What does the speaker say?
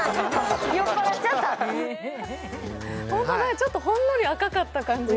ちょっとほんのり赤かった感じが。